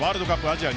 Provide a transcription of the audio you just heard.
アジア